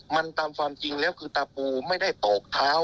มันตามความจริงแล้วคือตาปูไม่ได้ตอกเท้า